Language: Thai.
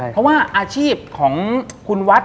เพราะว่าอาชีพของคุณวัด